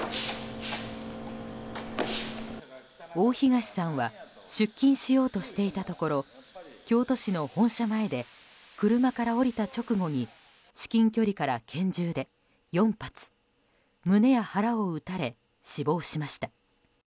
大東さんは出勤しようとしていたところ京都市の本社前で車から降りた直後に至近距離から拳銃で４発胸や腹などを撃たれ死亡しました。